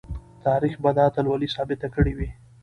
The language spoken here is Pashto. تاریخ به دا اتلولي ثبت کړې وي.